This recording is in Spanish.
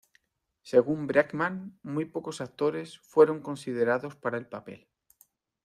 Según Bregman muy pocos actores fueron considerados para el papel.